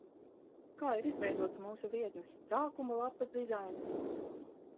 Kā ir izveidots mūsu vietnes sākuma lapas dizains?